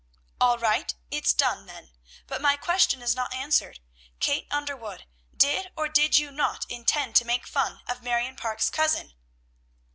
"All right, it's done then; but my question is not answered. Kate Underwood, did, or did you not, intend to make fun of Marion Parke's cousin?"